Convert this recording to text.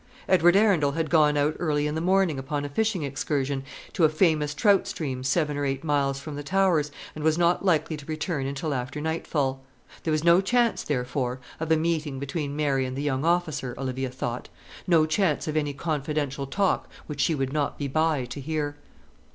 Edward Arundel had gone out early in the morning upon a fishing excursion to a famous trout stream seven or eight miles from the Towers, and was not likely to return until after nightfall. There was no chance, therefore, of a meeting between Mary and the young officer, Olivia thought no chance of any confidential talk which she would not be by to hear.